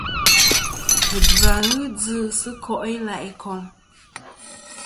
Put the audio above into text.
Fujva ghɨ djɨ sɨ ko' i la' ikom.